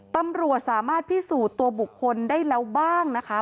ตำรวจสามารถพิสูจน์ตัวบุคคลได้แล้วบ้างนะคะ